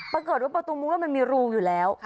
ปรากฏว่าประตูมุ้งแล้วมันมีรูอยู่แล้ว